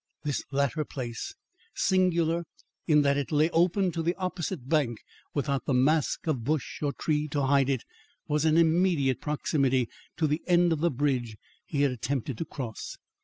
This latter place, singular in that it lay open to the opposite bank without the mask of bush or tree to hide it, was in immediate proximity to the end of the bridge he had attempted to cross.